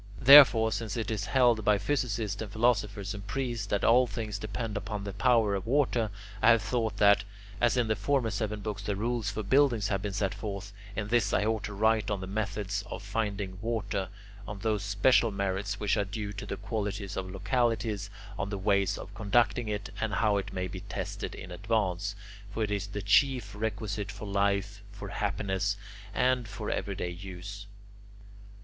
Therefore, since it is held by physicists and philosophers and priests that all things depend upon the power of water, I have thought that, as in the former seven books the rules for buildings have been set forth, in this I ought to write on the methods of finding water, on those special merits which are due to the qualities of localities, on the ways of conducting it, and how it may be tested in advance. For it is the chief requisite for life, for happiness, and for everyday use.